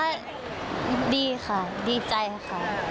แล้วก็ดีค่ะดีใจค่ะ